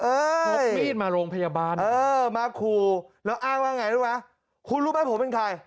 เอ้ยมาคู่แล้วอ้างว่าไงรู้ไหมคุณรู้ไหมผมเป็นใคร